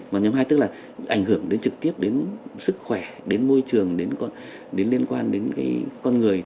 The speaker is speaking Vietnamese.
và nhóm hai tức là ảnh hưởng đến trực tiếp đến sức khỏe đến môi trường đến liên quan đến con người